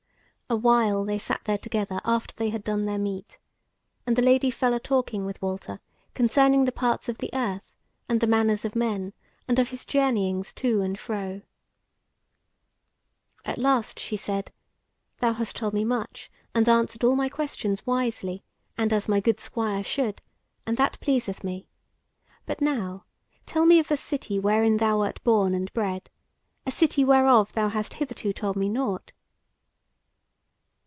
A while they sat there together after they had done their meat, and the Lady fell a talking with Walter concerning the parts of the earth, and the manners of men, and of his journeyings to and fro. At last she said: "Thou hast told me much and answered all my questions wisely, and as my good Squire should, and that pleaseth me. But now tell me of the city wherein thou wert born and bred; a city whereof thou hast hitherto told me nought."